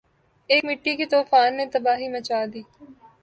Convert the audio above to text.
ایک مٹی کے طوفان نے تباہی مچا دی